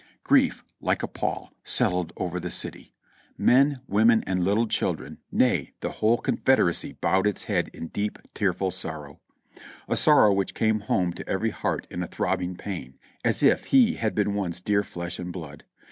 Grief, like a pall, settled over the city; men, women and little THE PILLAR OF THE CONFEDERACY FALLS 363 children, nay, the whole Confederacy bowed its head in deep tearful sorrow; a sorrow which came home to every heart in a throbbing pain, as if he had been one's dear flesh and blood.